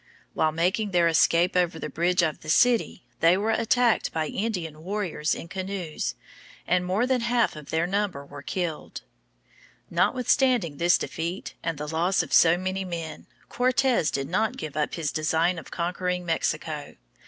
While making their escape over the bridges of the city they were attacked by Indian warriors in canoes, and more than half of their number were killed. [Illustration: Aztec Ruins.] Notwithstanding this defeat and the loss of so many men, Cortes did not give up his design of conquering Mexico.